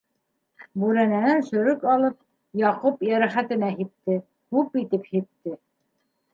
Бүрәнәнән сөрөк алып, Яҡуп йәрәхәтенә һипте, күп итеп һипте.